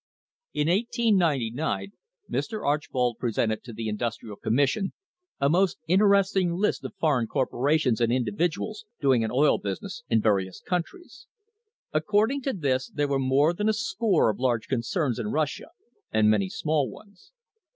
In 1899 Mr. Archbold presented to the Industrial Commis sion a most interesting list of foreign corporations and indi viduals doing an oil business in various countries. According to this there were more than a score of large concerns in Russia, and many small ones.